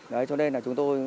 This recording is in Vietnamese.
đấy cho nên là chúng tôi